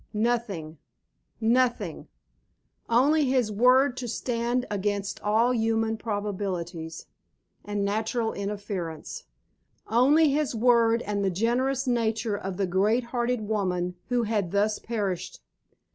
Nothing, nothing; only his word to stand against all human probabilities and natural inference; only his word and the generous nature of the great hearted woman who had thus perished!